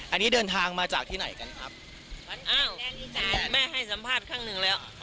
อันนี้เดินทางมาจากที่ไหนกันครับแม่ให้สัมภาษณ์ข้างหนึ่งแล้ว